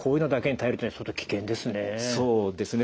そうですね。